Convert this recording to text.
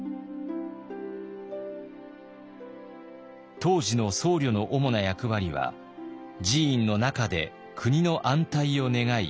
当時の僧侶の主な役割は寺院の中で国の安泰を願い